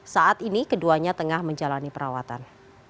saat ini keduanya tengah menjalani perawatan